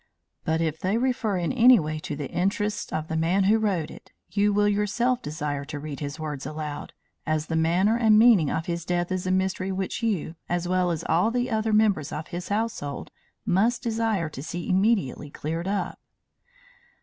But if they refer in any way to the interests of the man who wrote it, you will yourself desire to read his words aloud, as the manner and meaning of his death is a mystery which you as well as all the other members of his household must desire to see immediately cleared up."